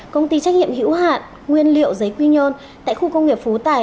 công ty trách nhiệm hữu hạn nguyên liệu giấy quy nhơn tại khu công nghiệp phú tài